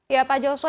ya pak joshua